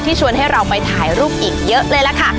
ชวนให้เราไปถ่ายรูปอีกเยอะเลยล่ะค่ะ